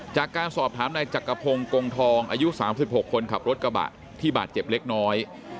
จากการสอบถามนายจักรพงศ์กงทองอายุ๓๖คนขับรถกระบะที่บาดเจ็บเล็กน้อย